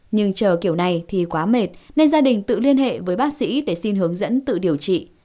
nhưng chờ kiểu này thì quá mệt nên gia đình tự liên hệ với bác sĩ để xin hướng dẫn tự điều trị